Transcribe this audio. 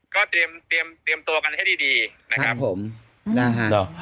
ก็เตรียมตัวกันให้ดีนะครับ